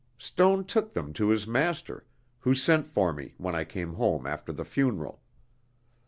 Stone took them to his master, who sent for me when I came home after the funeral.